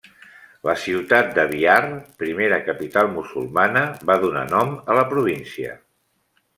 La ciutat de Bihar, primera capital musulmana va donar nom a la província.